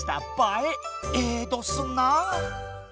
ええどすなあ。